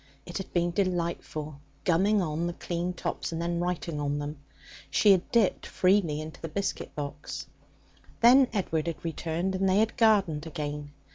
It had been delightful, gumming on the clean tops, and then writing on them. She had dipped freely into the biscuit box. Then Edward had returned, and they had gardened again.